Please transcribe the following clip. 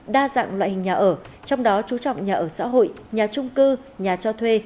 đa dạng loại hình nhà ở trong đó chú trọng nhà ở xã hội nhà trung cư nhà cho thuê